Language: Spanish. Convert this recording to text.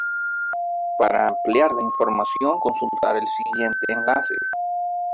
Para ampliar la información consultar el siguiente enlace.